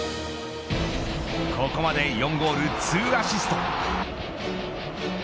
ここまで４ゴール２アシスト。